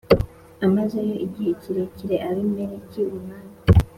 Amazeyo igihe kirekire abimeleki umwami